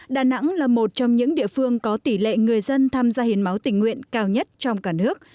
đà nẵng là một trong những địa phương có tỷ lệ người dân tham gia hiến máu tình nguyện cao nhất trong cả nước